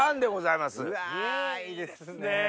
いいですね。